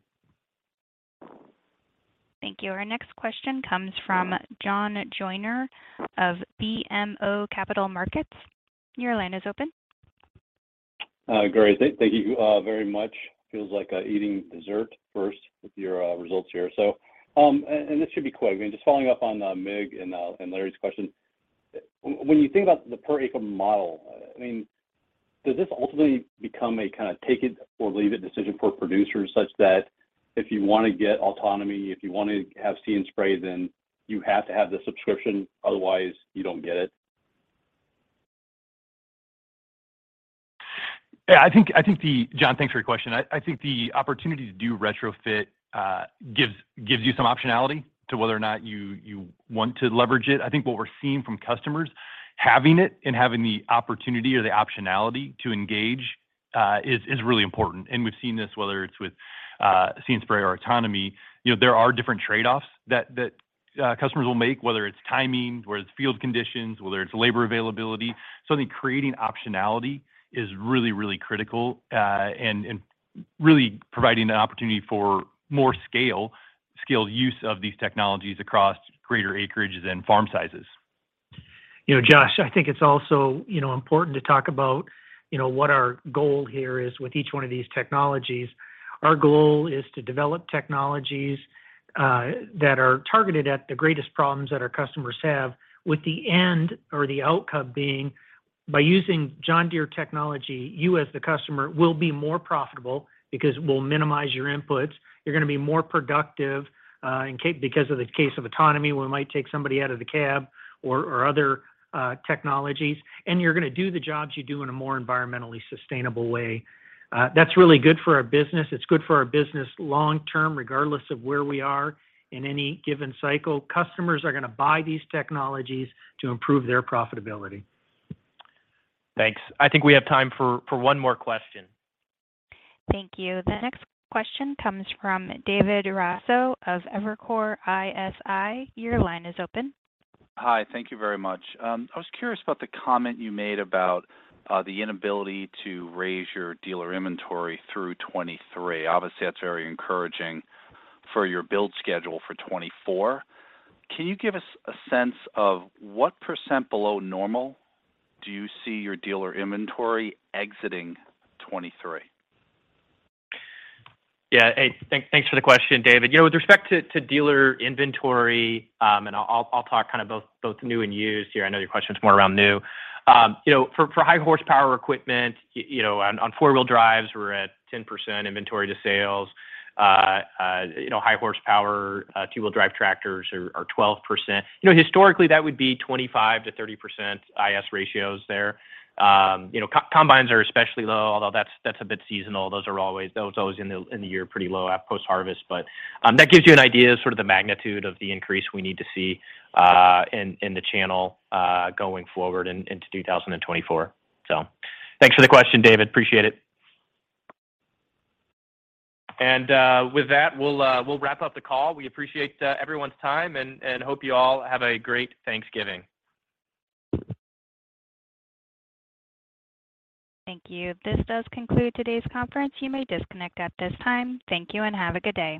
Thank you. Our next question comes from John Joyner of BMO Capital Markets. Your line is open. Great. Thank you, very much. Feels like eating dessert first with your results here. And this should be quick. I mean, just following up on Mig and Larry's question. When you think about the per acre model, I mean, does this ultimately become a kind of take it or leave it decision for producers, such that if you wanna get autonomy, if you wanna have See & Spray, then you have to have the subscription, otherwise you don't get it? I think the John, thanks for your question. I think the opportunity to do retrofit gives you some optionality to whether or not you want to leverage it. I think what we're seeing from customers, having it and having the opportunity or the optionality to engage is really important. We've seen this, whether it's with See & Spray or autonomy, you know, there are different trade-offs that customers will make, whether it's timing, whether it's field conditions, whether it's labor availability. I think creating optionality is really critical and really providing the opportunity for more scaled use of these technologies across greater acreages and farm sizes. You know, Josh, I think it's also, you know, important to talk about, you know, what our goal here is with each one of these technologies. Our goal is to develop technologies that are targeted at the greatest problems that our customers have, with the end or the outcome being, by using John Deere technology, you as the customer will be more profitable because we'll minimize your inputs. You're gonna be more productive because of the case of autonomy, where we might take somebody out of the cab or other technologies. You're gonna do the jobs you do in a more environmentally sustainable way. That's really good for our business. It's good for our business long term, regardless of where we are in any given cycle. Customers are gonna buy these technologies to improve their profitability. Thanks. I think we have time for one more question. Thank you. The next question comes from David Raso of Evercore ISI. Your line is open. Hi. Thank you very much. I was curious about the comment you made about the inability to raise your dealer inventory through 2023. Obviously, that's very encouraging for your build schedule for 2024. Can you give us a sense of what % below normal do you see your dealer inventory exiting 2023? Yeah. Hey, thanks for the question, David. You know, with respect to dealer inventory, I'll talk kind of both new and used here. I know your question's more around new. You know, for high horsepower equipment, you know, on four-wheel drives, we're at 10% inventory to sales. You know, high horsepower two-wheel drive tractors are 12%. You know, historically, that would be 25%-30% I/S ratios there. You know, combines are especially low, although that's a bit seasonal. Those are always in the year, pretty low at post-harvest. That gives you an idea of sort of the magnitude of the increase we need to see in the channel going forward into 2024. Thanks for the question, David. Appreciate it. With that, we'll wrap up the call. We appreciate everyone's time and hope you all have a great Thanksgiving. Thank you. This does conclude today's conference. You may disconnect at this time. Thank you and have a good day.